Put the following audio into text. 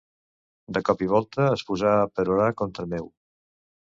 De cop i volta, es posà a perorar contra meu.